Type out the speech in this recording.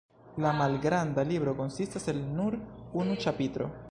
La malgranda libro konsistas el nur unu ĉapitro.